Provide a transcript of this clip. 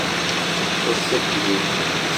Fıstık gibi.